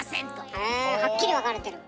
へえはっきり分かれてる。